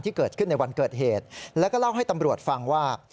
ที่เกิดขึ้นในวันเกิดเหตุแล้วก็เล่าให้ตำรวจฟังว่า